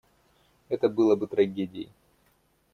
Это было бы трагедией.